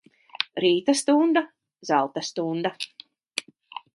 Rīta stunda, zelta stunda.